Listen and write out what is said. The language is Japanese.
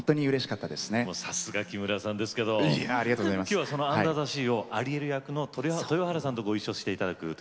今日はその「アンダー・ザ・シー」をアリエル役の豊原さんとご一緒していただくと。